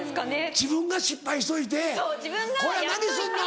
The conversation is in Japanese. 自分が失敗しといて「こら！何すんの！」。